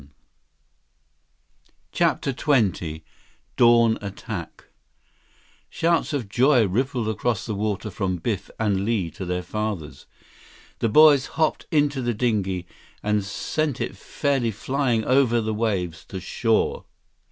160 CHAPTER XX Dawn Attack Shouts of joy rippled across the water from Biff and Li to their fathers. The boys hopped into the dinghy and sent it fairly flying over the waves to shore.